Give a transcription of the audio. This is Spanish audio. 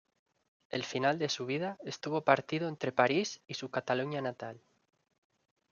El final de su vida estuvo partido entre París y su Cataluña natal.